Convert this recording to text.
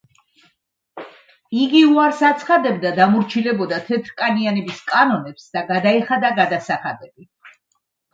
იგი უარს აცხადებდა დამორჩილებოდა თეთრკანიანების კანონებს და გადაეხადა გადასახადები.